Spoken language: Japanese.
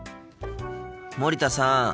森田さん。